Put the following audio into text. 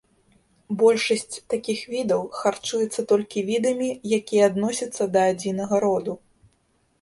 Большасць такіх відаў харчуюцца толькі відамі, якія адносяцца да адзінага роду.